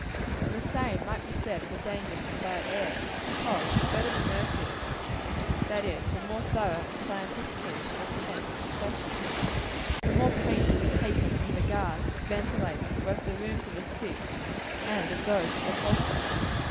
And the same might be said of the danger from bad air; because, the better the nurse is that is, the more thoroughly and scientifically she understands her profession the more pains will be taken in regard to ventilating, both the rooms of the sick and of those who are healthy.